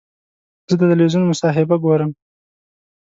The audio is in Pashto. زه د تلویزیون مصاحبه ګورم.